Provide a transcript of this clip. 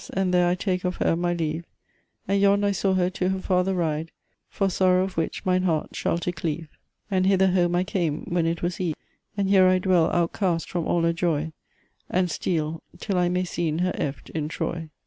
and there I toke of her my leve And yond I saw her to her fathir ride; For sorow of whiche mine hert shall to cleve; And hithir home I came whan it was eve, And here I dwel, out cast from ally joie, And steal, til I maie sene her efte in Troie.